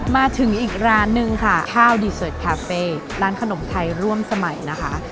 มาถึงอีกร้านหนึ่งค่ะข้าวดีเสิร์ตคาเฟ่ร้านขนมไทยร่วมสมัยนะคะ